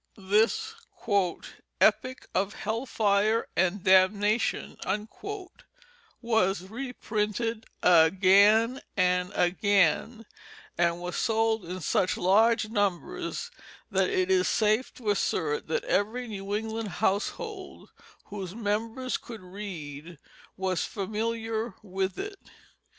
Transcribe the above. This "epic of hell fire and damnation" was reprinted again and again, and was sold in such large numbers that it is safe to assert that every New England household, whose members could read, was familiar with it.